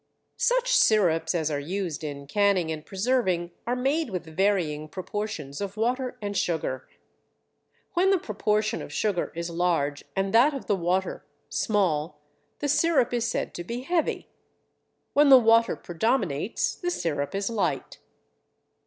Such sirups as are used in canning and preserving are made with varying proportions of water and sugar. When the proportion of sugar is large and that of the water small the sirup is said to be heavy. When the water predominates the sirup is light.